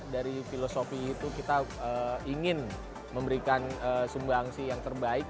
dari filosofi itu kita ingin memberikan sumbangsi yang terbaik